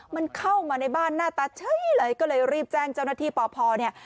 มันเข้ามาในบ้านหน้าตาเฉยเลยก็เลยรีบแจ้งเจ้าหน้าที่ปพเนี่ย